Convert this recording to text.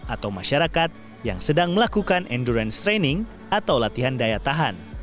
atau masyarakat yang sedang melakukan endurance training atau latihan daya tahan